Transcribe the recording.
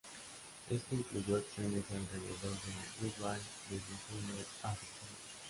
Esto incluyó acciones alrededor de Wide Bay desde junio a septiembre.